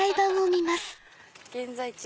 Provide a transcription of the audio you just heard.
現在地